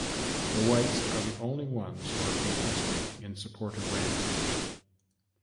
The Whites are the only ones who are protesting in support of Randy.